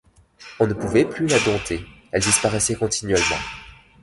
On ne pouvait plus la dompter, elle disparaissait continuellement.